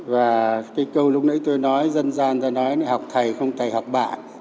và cái câu lúc nãy tôi nói dân gian ta nói học thầy không thầy học bạn